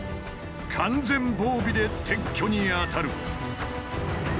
完全防備で撤去に当たる。